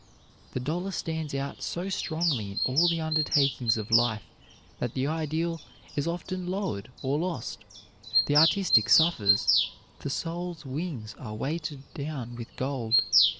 The dollar stands out so strongly in all the undertakings of life that the ideal is often lowered or lost, the artistic suffers, the soul's wings are weighted down with gold.